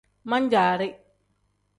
Man-jaari.